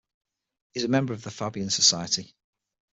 He is a member of the Fabian Society.